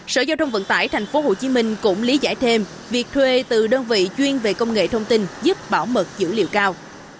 sở giao thông vận tải thành phố hồ chí minh cũng lý giải thêm việc thuê từ đơn vị chuyên về công nghệ thông tin giúp bảo mật dữ liệu cao